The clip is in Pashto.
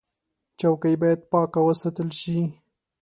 چوکۍ باید پاکه وساتل شي.